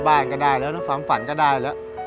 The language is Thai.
บ้านก็ได้แล้วนะความฝันก็ได้แล้ว